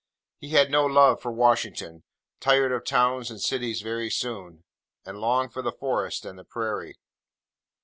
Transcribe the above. He had no love for Washington; tired of towns and cities very soon; and longed for the Forest and the Prairie.